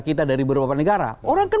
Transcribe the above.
kita dari beberapa negara orang ke